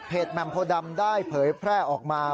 แหม่มโพดำได้เผยแพร่ออกมา